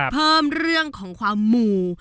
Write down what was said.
เพิ่มเรื่องของความหมู่